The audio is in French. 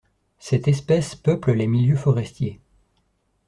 Cette espèce peuple les milieux forestiers.